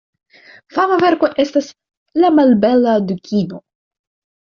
Fama verko estas "La malbela dukino".